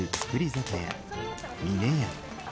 酒屋峰屋。